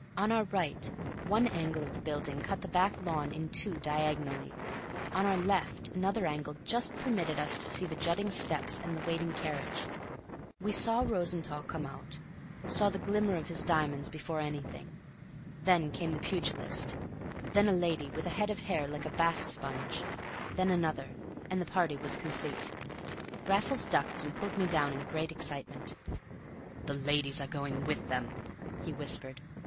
On our right, one angle of the building cut the back lawn in two diagonally; on our left, another angle just permitted us to see the jutting steps and the waiting carriage. We saw Rosenthall come out saw the glimmer of his diamonds before anything. Then came the pugilist; then a lady with a head of hair like a bath sponge; then another, and the party was complete. Raffles ducked and pulled me down in great excitement. "The ladies are going with them," he whispered.